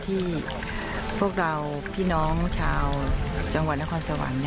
ที่พวกเราพี่น้องชาวจังหวัดนครสวรรค์